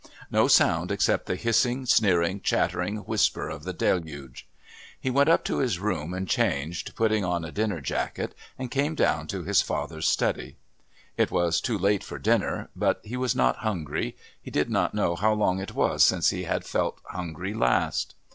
No sound except the hissing, sneering, chattering whisper of the deluge. He went up to his room and changed, putting on a dinner jacket, and came down to his father's study. It was too late for dinner, but he was not hungry; he did not know how long it was since he had felt hungry last.